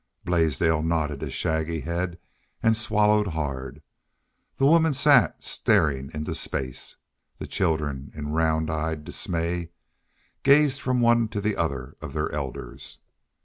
Blaisdell nodded his shaggy head and swallowed hard. The women sat staring into space. The children, in round eyed dismay, gazed from one to the other of their elders.